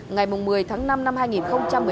ngày một mươi tháng năm năm hai nghìn một mươi chín